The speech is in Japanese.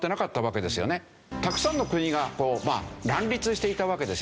たくさんの国が乱立していたわけですよね。